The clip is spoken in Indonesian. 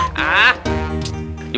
oh udah dia